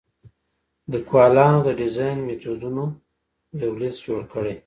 لیکوالانو د ډیزاین میتودونو یو لیست جوړ کړی.